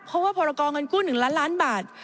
เพราะว่าพรกรเงินกู้๑ล้านล้านบาท